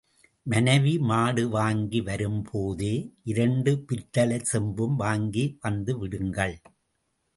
மனைவி மாடு வாங்கி வரும்போதே இரண்டு பித்தளைச்சொம்பும் வாங்கி வந்துவிடுங்கள்.